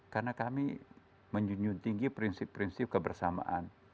karena kami menjunjung tinggi prinsip prinsip kebersamaan